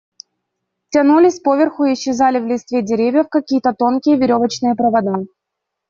Тянулись поверху и исчезали в листве деревьев какие-то тонкие веревочные провода.